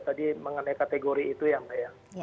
tadi mengenai kategori itu ya mbak ya